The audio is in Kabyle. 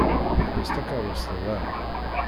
Ḥbes takeṛṛust da!